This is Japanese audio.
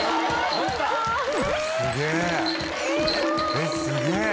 すげえ！